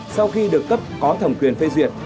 sau khi được cấp có thẩm quyền phê duyệt